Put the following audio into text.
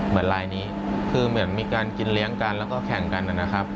เหมือนมีการกินเลี้ยงกันแล้วก็แข่งกัน